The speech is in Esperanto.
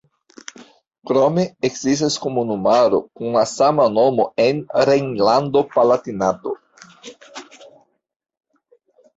Krome ekzistas komunumaro kun la sama nomo en Rejnlando-Palatinato.